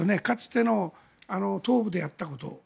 かつての東部でやったこと。